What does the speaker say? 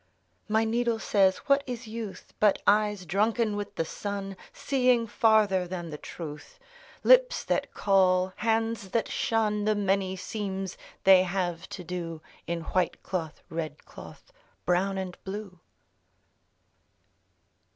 My needle says: What is youth • But eyes drunken with the sun, Seeing farther than the truth; Lips that call, hands that shun The many seams they have to do In white cloth, red cloth, brown and blue!